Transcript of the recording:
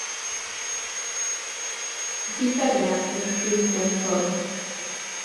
Y differiad yw'r ffwythiant hwn.